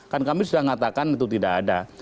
kan kami sudah mengatakan itu tidak ada